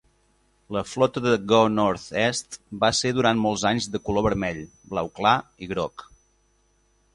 La flota de Go North East va ser durant molts anys de color vermell, blau clar i groc.